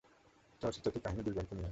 চলচ্চিত্রটির কাহিনী দুই বোনকে নিয়ে।